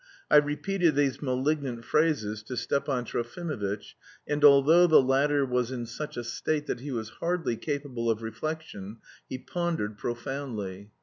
I repeated these malignant phrases to Stepan Trofimovitch, and although the latter was in such a state that he was hardly capable of reflection, he pondered profoundly.